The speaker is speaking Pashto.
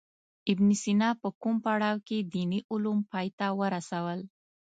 ابن سینا په کوم پړاو کې دیني علوم پای ته ورسول.